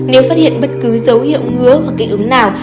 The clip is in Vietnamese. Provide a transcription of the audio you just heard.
nếu phát hiện bất cứ dấu hiệu ngứa hoặc kịch ứng nào